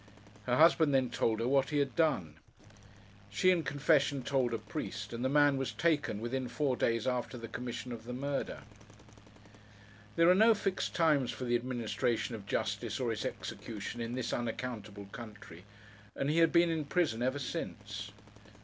Her husband then told her what he had done. She, in confession, told a priest; and the man was taken, within four days after the commission of the murder. There are no fixed times for the administration of justice, or its execution, in this unaccountable country; and he had been in prison ever since.